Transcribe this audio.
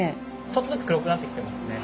ちょっとずつ黒くなってきてますね。